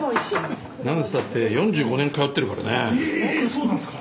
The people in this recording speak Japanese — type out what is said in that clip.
そうなんですか？